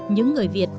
những người việt